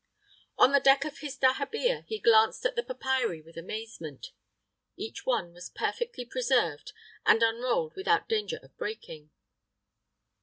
On the deck of his dahabeah he glanced at the papyri with amazement. Each one was perfectly preserved and unrolled without danger of breaking.